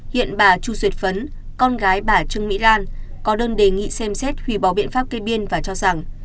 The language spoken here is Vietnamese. hiện bà chu duyệt phấn con gái bà trưng mỹ lan có đơn đề nghị xem xét hủy bỏ biện pháp kê biên và cho rằng